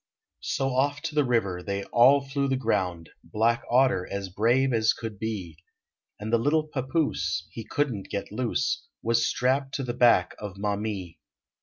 1 So off to the river They all flew the ground, " Black Otter " as brave as could be, And the little pappoose He couldn t get loose Was strapped to the back of Maumee.